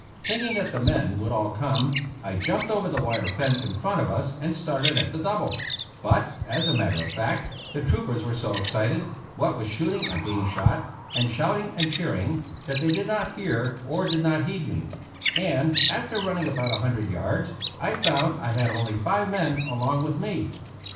Thinking that the men would all come, I jumped over the wire fence in front of us and started at the double; but, as a matter of fact, the troopers were so excited, what with shooting and being shot, and shouting and cheering, that they did not hear, or did not heed me; and after running about a hundred yards I found I had only five men along with me.